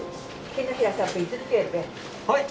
はい。